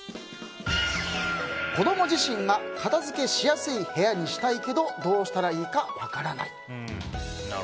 子供自身が片付けしやすい部屋にしたいけどどうしたらいいか分からない。